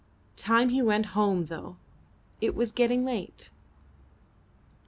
Time he went home, though; it was getting late.